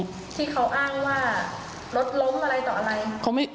ที่เขาอ้างว่ารถล้มอะไรต่ออะไร